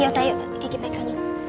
yaudah yuk dikepekkan yuk